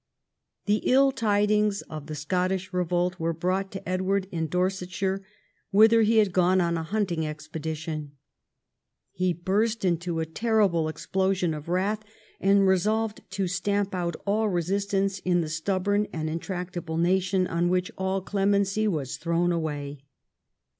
The ill tidings of the Scottish revolt were brought to Edward at Winchester, whither he had gone to keep his Lenten court. He burst into a terrible explosion of wrath, and resolved to stamp out all resistance in the stubborn and intractable nation on which all clemency was thrown away.